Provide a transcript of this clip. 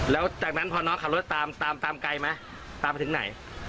แล้วจากนั้นพอน้องขับรถตามตามไกลไหมตามไปถึงไหน